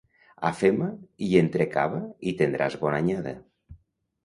Afema i entrecava i tendràs bona anyada.